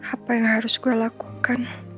apa yang harus gue lakukan